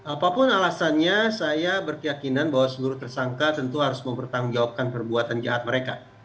apapun alasannya saya berkeyakinan bahwa seluruh tersangka tentu harus mempertanggungjawabkan perbuatan jahat mereka